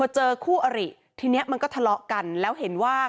เจอคู่อริทีนี้มันก็ทะเลาะกันแล้วเห็นว่า